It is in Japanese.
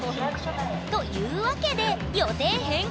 というわけで予定変更！